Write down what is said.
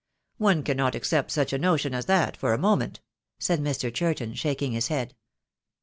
One cannot accept such a notion as that for a moment," said Mr. Churton, shaking his head.